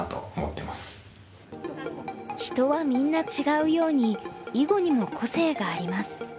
人はみんな違うように囲碁にも個性があります。